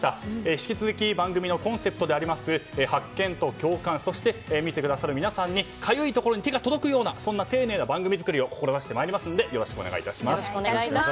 引き続き番組のコンセプトであります発見と共感、そして見てくださる皆様にかゆい所に手が届くような番組作りを志してまいりますのでよろしくお願いいたします。